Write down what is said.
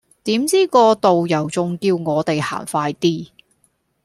點知個導遊仲叫我哋行快啲